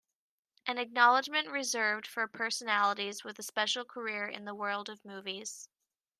An acknowledgement reserved for personalities with a special career in the world of movies.